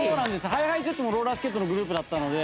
ＨｉＨｉＪｅｔｓもローラースケートのグループだったので。